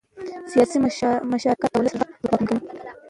سیاسي مشارکت د ولس غږ ځواکمن کوي